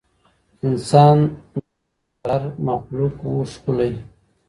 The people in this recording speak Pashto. انسان جوړ سو نور تر هر مخلوق وو ښکلی